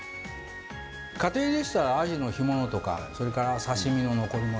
家庭でしたらあじの干物とかそれから刺身の残り物。